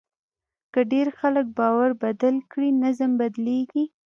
که ډېر خلک باور بدل کړي، نظم بدلېږي.